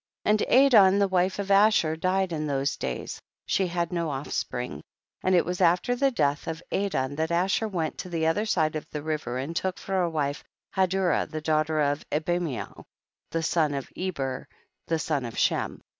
13. And Adon the wife of Asher died in those days ; she had no off spring ; and it was after the death of Adon that Asher went to the other side of the river and took for a wife Hadurah the daughter of Abimacl, the son of Eber, the son of JShem.